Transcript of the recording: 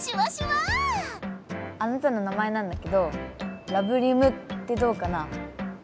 あなたの名前なんだけどラブリムってどうかな。